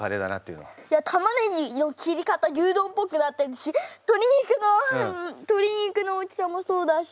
いや玉ねぎの切り方牛丼っぽくなってるし鶏肉の鶏肉の大きさもそうだし。